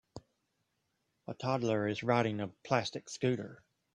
A toddler is riding a plastic scooter